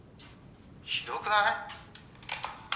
ひどくない？